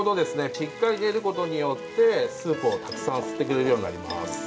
しっかり練ることによってスープをたくさん吸ってくれるようになります。